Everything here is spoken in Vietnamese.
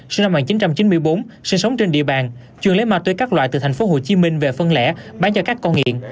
sinh năm một nghìn chín trăm chín mươi bốn sinh sống trên địa bàn chuẩn lấy ma túy các loại từ thành phố hồ chí minh về phân lẻ bán cho các con nghiện